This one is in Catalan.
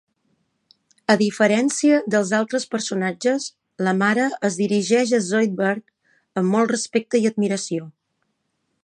A diferència dels altres personatges, la mare es dirigeix a Zoidberg amb molt respecte i admiració.